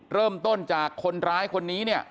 เริ่มต้นจากคนร้ายคนนี้เนี่ย